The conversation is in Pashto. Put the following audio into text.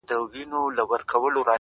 په يوه لاره کي پنډت بل کي مُلا وينم _